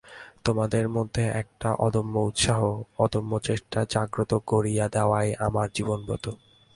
তোমাদের মধ্যে একটা অদম্য উৎসাহ, অদম্য চেষ্টা জাগ্রত করিয়া দেওয়াই আমার জীবনব্রত।